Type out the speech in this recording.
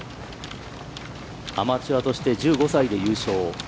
アマチュアとして１５歳で優勝。